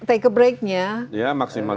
take a breaknya ya maksimal